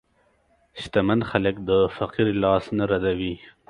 شتمن خلک د فقیر لاس نه ردوي.